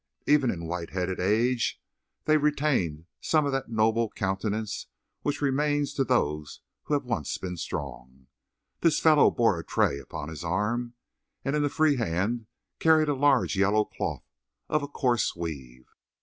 Even in white headed age they retained some of that noble countenance which remains to those who have once been strong. This fellow bore a tray upon his arm, and in the free hand carried a large yellow cloth of a coarse weave.